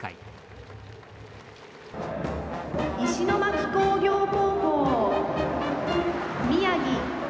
「石巻工業高校宮城」。